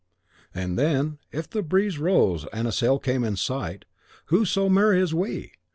And then, if the breeze rose and a sail came in sight, who so merry as we?